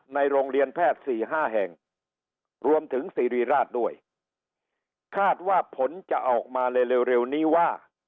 ห้าแห่งรวมถึงสรีรีราชด้วยคาดว่าผลจะออกมาเร็วเร็วเร็วนี้ว่า